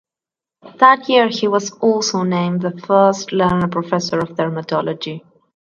That year he was also named the first Lerner Professor of Dermatology.